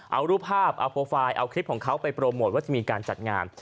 เอารูปภาพเอาโปรไฟล์เอาคลิปของเขาไปโปรโมทว่าจะมีการจัดงาน